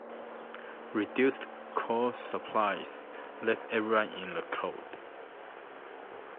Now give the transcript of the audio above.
Reduced coal supplies left everyone in the cold.